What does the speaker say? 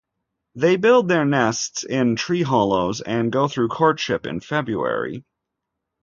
They build their nests in tree hollows and go through courtship in February.